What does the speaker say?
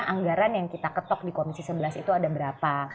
anggaran yang kita ketok di komisi sebelas itu ada berapa